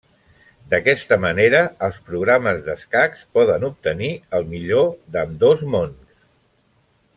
D'aquesta manera els programes d'escacs poden obtenir el millor d'ambdós mons.